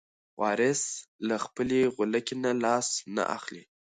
وارث له خپلې غولکې نه لاس نه اخلي.